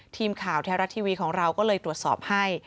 ทีมข่าวแท้รัฐทีวีของเราก็เลยตรวจสอบให้